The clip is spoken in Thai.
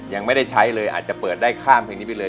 ยังไม่ได้ใช้เลยอาจจะเปิดได้ข้ามเพลงนี้ไปเลย